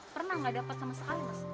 pernah nggak dapat sama sekali mas